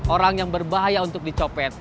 orang yang berbahaya untuk dicopet